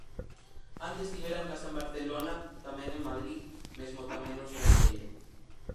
Antes tiveran casa en Barcelona, tamén en Madrid, mesmo tamén no estranxeiro.